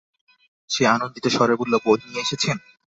সে আনন্দিত স্বরে বলল, বই নিয়ে এসেছেন?